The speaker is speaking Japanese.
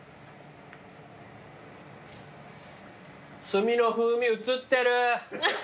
炭の風味移ってる！